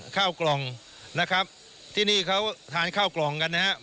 ข้าวกล่องนะครับที่นี่เขาทานข้าวกล่องกันนะครับ